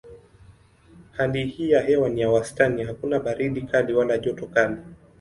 Hali ya hewa ni ya wastani hakuna baridi kali wala joto kali.